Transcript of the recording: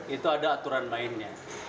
itu ada aturan mainnya